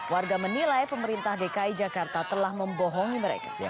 warga menilai pemerintah dki jakarta telah membohongi mereka